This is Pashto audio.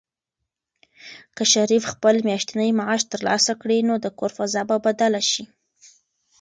که شریف خپل میاشتنی معاش ترلاسه کړي، نو د کور فضا به بدله شي.